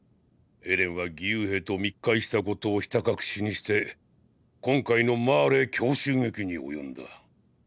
エレンは義勇兵と密会したことをひた隠しにして今回のマーレ強襲劇に及んだ。